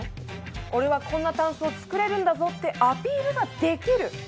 俺はこんなタンスを作れるんだぞってアピールができる